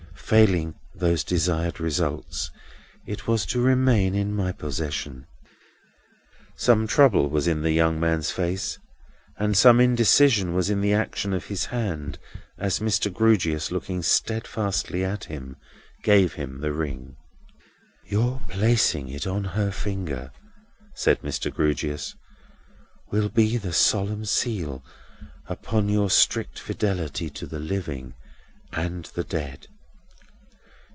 Failing those desired results, it was to remain in my possession." Some trouble was in the young man's face, and some indecision was in the action of his hand, as Mr. Grewgious, looking steadfastly at him, gave him the ring. "Your placing it on her finger," said Mr. Grewgious, "will be the solemn seal upon your strict fidelity to the living and the dead.